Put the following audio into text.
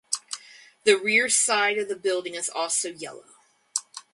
The rear side of the building is also yellow.